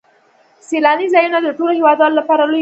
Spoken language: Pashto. سیلاني ځایونه د ټولو هیوادوالو لپاره لوی ویاړ دی.